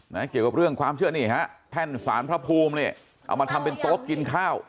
เกี่ยวกับเรื่องความเชื่อนี่ฮะแท่นสารพระภูมิเนี่ยเอามาทำเป็นโต๊ะกินข้าว